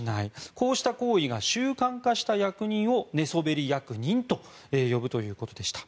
こうした行為が習慣化した役人を寝そべり役人と呼ぶということでした。